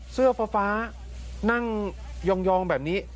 เสื้อฟ้านั่งยองแบบนี้